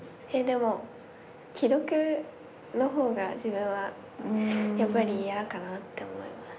でも既読の方が自分はやっぱり嫌かなって思います。